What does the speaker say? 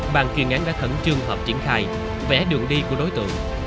bang chuyên án đã khẩn trương hợp triển khai vẽ đường đi của đối tượng